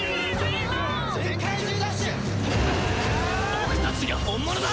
僕たちが本物だ！